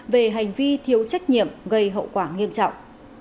về hành vi thiếu trách nhiệm gây hậu quả nghiêm trọng